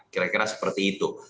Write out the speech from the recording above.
kira kira seperti itu